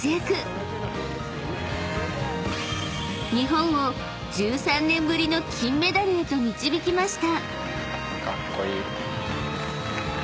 ［日本を１３年ぶりの金メダルへと導きました］